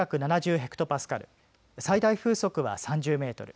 ヘクトパスカル最大風速は３０メートル